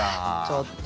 ちょっと。